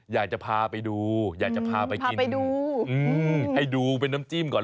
อยากจะพาไปดูอยากจะพาไปกินไปดูให้ดูเป็นน้ำจิ้มก่อน